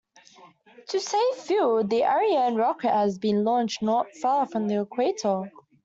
To save fuel, the Ariane rocket has been launched not far from the equator.